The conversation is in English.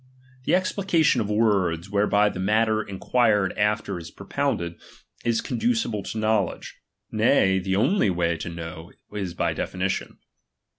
The explication of words, whereby the matter enquired after is propounded, is conducible to knowledge ; uay, the only way to know, is by definitivn.